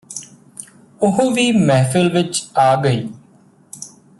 ਉਹ ਵੀ ਮਹਿਫ਼ਲ ਵਿਚ ਆ ਗਈ